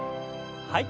はい。